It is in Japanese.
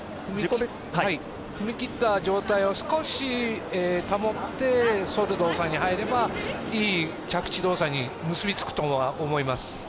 踏み切った状態を少し保ってそる動作に入ればいい着地動作に結びつくと思います。